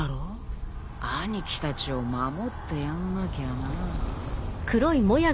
兄貴たちを守ってやんなきゃなぁ。